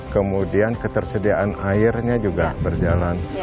kemudian ketersediaan airnya juga berjalan